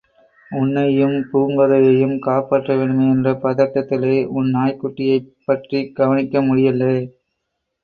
உன்னையும் பூங்கோதையையும் காப்பாற்ற வேணுமே என்ற பதட்டத்திலே, உன் நாய்க்குட்டியைப் பற்றிக் கவனிக்க முடியல்லே.